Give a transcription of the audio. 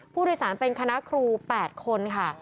ผู้โดยสารเป็นคณะครู๘คนค่ะ